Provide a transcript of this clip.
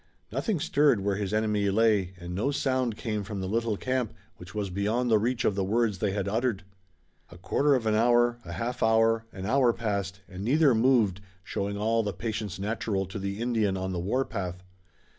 Nothing stirred where his enemy lay and no sound came from the little camp, which was beyond the reach of the words they had uttered. A quarter of an hour, a half hour, an hour passed, and neither moved, showing all the patience natural to the Indian on the war path.